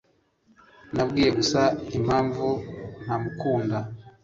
Nabwiye gusa impamvu ntamukunda